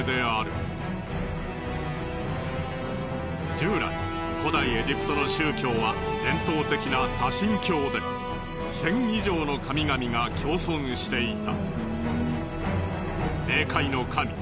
従来古代エジプトの宗教は伝統的な多神教で１，０００以上の神々が共存していた。